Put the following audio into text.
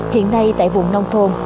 hiện nay tại vùng nông thôn